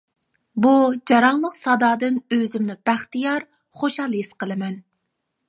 بۇ جاراڭلىق سادادىن ئۆزۈمنى بەختىيار، خۇشال ھېس قىلىمەن.